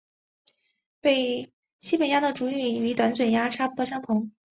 西北鸦的主羽与短嘴鸦差不多相同。